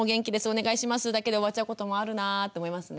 お願いします」だけで終わっちゃうこともあるなぁって思いますね。